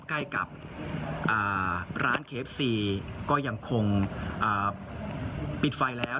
ใกล้กับร้านเคฟซีก็ยังคงปิดไฟแล้ว